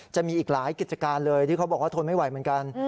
จะมีอีกหลายกิจการเลยที่เขาบอกว่าทนไม่ไหวเหมือนกัน